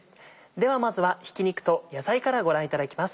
ではまずはひき肉と野菜からご覧いただきます。